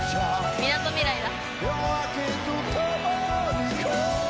みなとみらいだ。